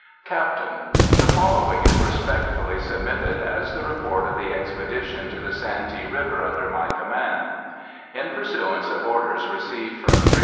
Captain: The following is respectfully submitted as the report of the expedition to the Santee River under my command: In pursuance of orders received from Brig.